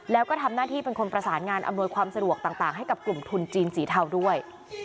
แล้วก็ทำหน้าที่เป็นคนประสานงานอำนวยความสะดวกต่างให้กับกลุ่มทุนจีนสีเทาด้วย